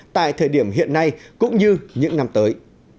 tại thời điểm hiện nay cũng như những năm tới